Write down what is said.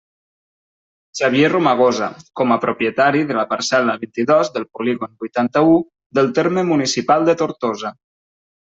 Xavier Romagosa, com a propietari de la parcel·la vint-i-dos del polígon vuitanta-u del terme municipal de Tortosa.